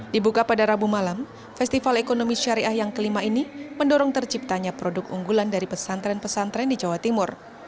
dibuka pada rabu malam festival ekonomi syariah yang kelima ini mendorong terciptanya produk unggulan dari pesantren pesantren di jawa timur